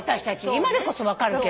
今でこそ分かるけど。